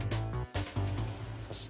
そして。